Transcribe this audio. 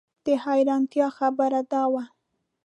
د حیرانتیا خبره دا وه.